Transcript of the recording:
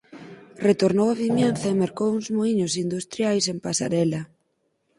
Retornou a Vimianzo e mercou uns muíños industriais en Pasarela.